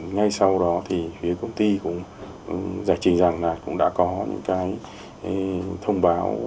ngay sau đó thì phía công ty cũng giải trình rằng là cũng đã có những cái thông báo